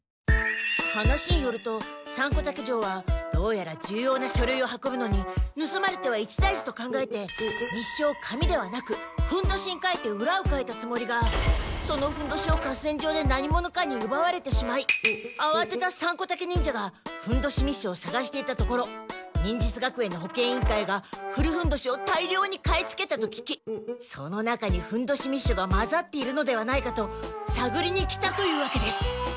話によるとサンコタケ城はどうやらじゅうような書るいを運ぶのにぬすまれては一大事と考えて密書を紙ではなくふんどしに書いてうらをかいたつもりがそのふんどしを合戦場で何者かにうばわれてしまいあわてたサンコタケ忍者がふんどし密書をさがしていたところ忍術学園の保健委員会が古ふんどしを大りょうに買いつけたと聞きその中にふんどし密書がまざっているのではないかとさぐりに来たというわけです。